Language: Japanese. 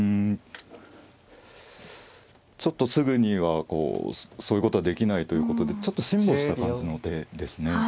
ちょっとすぐにはそういうことはできないということでちょっと辛抱した感じの手ですね。